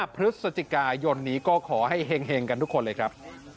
พฤศจิกายนนี้ก็ขอให้เห็งกันทุกคนเลยครับ